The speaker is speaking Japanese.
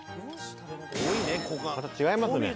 また違いますね。